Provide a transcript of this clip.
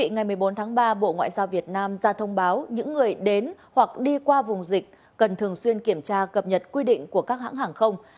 ngày một mươi bốn tháng ba bộ ngoại giao việt nam ra thông báo những người đến hoặc đi qua vùng dịch cần thường xuyên kiểm tra cập nhật quy định của các hãng hàng không